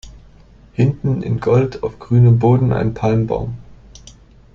Hinten in Gold auf grünem Boden ein Palmbaum.